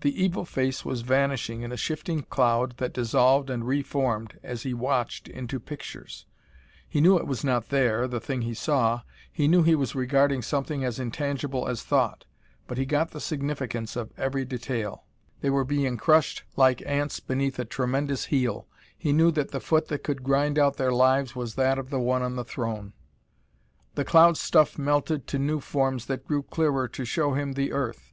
The evil face was vanishing in a shifting cloud that dissolved and reformed, as he watched, into pictures. He knew it was not there, the thing he saw; he knew he was regarding something as intangible as thought; but he got the significance of every detail. He saw himself and Professor Sykes; they were being crushed like ants beneath a tremendous heel; he knew that the foot that could grind out their lives was that of the one on the throne. The cloud stuff melted to new forms that grew clearer to show him the earth.